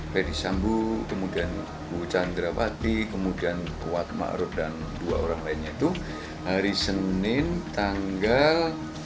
reddy sambu kemudian bu chandrawati kemudian kuat ma'ruf dan dua orang lainnya itu hari senin tanggal